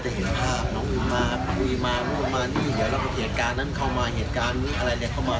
เหตุการณ์งี้ก็มา